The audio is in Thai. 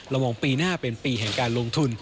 มองปีหน้าเป็นปีแห่งการลงทุน